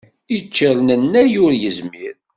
Iččernennay ur izmir.